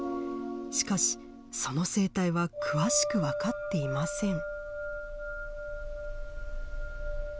しかしその生態は詳しく分かっていません。